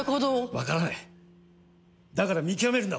分からないだから見極めるんだ